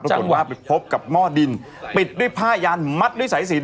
แล้วก็โทรฝนว่าไปพบกับม่อดินปิดด้วยผ้ายานมัดด้วยสายศิลป์